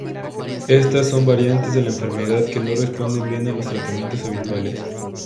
Estas son variantes de la enfermedad que no responden bien a los tratamientos habituales.